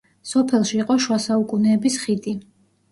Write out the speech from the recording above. სოფელში იყო შუა საუკუნეების ხიდი.